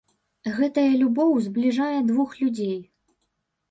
Гэтая любоў збліжае двух людзей.